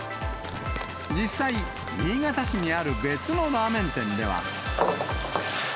実際、新潟市にある別のラーメン店では。